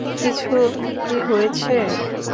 কিছু কি হয়েছে?